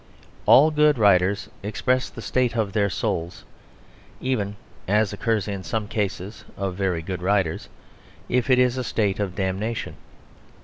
All good writers express the state of their souls, even (as occurs in some cases of very good writers) if it is a state of damnation.